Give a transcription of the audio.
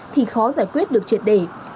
thì khó giải quyết được triệt để